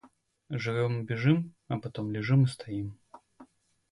Живём и бежим, а потом лежим и стоим.